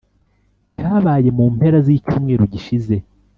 cyabaye mu mpera z’icyumweru gishize